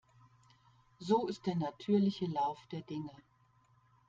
So ist der natürliche Lauf der Dinge.